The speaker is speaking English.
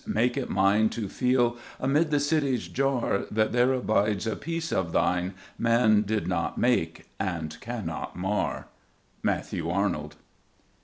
make it mine To feel, amid the city's jar, That there abides a peace of thine Man did not make, and cannot mar. MATTHEW ARNOLD.